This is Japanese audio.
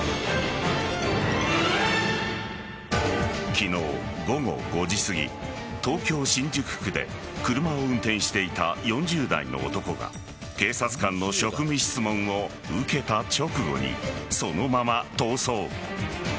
昨日午後５時すぎ東京・新宿区で車を運転していた４０代の男が警察官の職務質問を受けた直後にそのまま逃走。